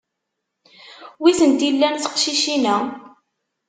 Wi tent-illan teqcicin-a?